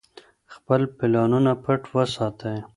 خپل پلانونه پټ وساتئ.